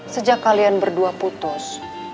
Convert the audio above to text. sejak kalian berdua putus